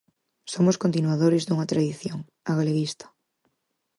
Somos continuadores dunha tradición, a galeguista.